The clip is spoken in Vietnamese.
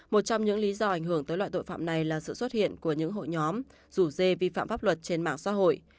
một trong những lý do ảnh hưởng tới loại tội phạm này là sự xuất hiện của những hội nhóm rủ dê vi phạm pháp luật trên mạng xã hội